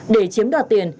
để chiếm đạt tiền